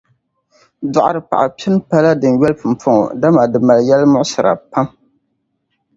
Dɔɣiripaɣ’ pini pa la din yoli pumpɔŋɔ, dama di mali yɛlmuɣsira pam.